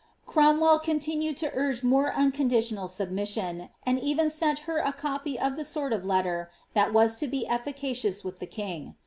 Cromwell criniinued to urge more unconditional submission, and even sent her a copy of the sort letter tliat was to be efficacious wiih the king.